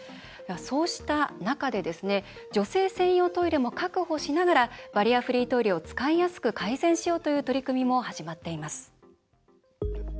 そうした中で女性専用トイレも確保しながらバリアフリートイレを使いやすく改善しようという取り組みも始まっています。